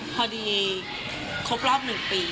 พอดีครบรอบ๑ปี